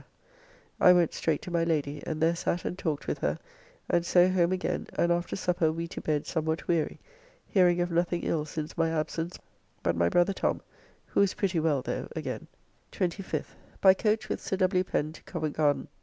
[Algiers] I went straight to my Lady, and there sat and talked with her, and so home again, and after supper we to bed somewhat weary, hearing of nothing ill since my absence but my brother Tom, who is pretty well though again. 25th. By coach with Sir W. Pen to Covent Garden.